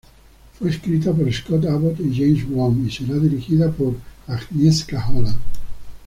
Fue escrita por Scott Abbott y James Wong y será dirigida por Agnieszka Holland.